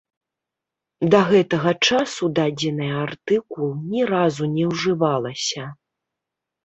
Да гэтага часу дадзеная артыкул ні разу не ўжывалася.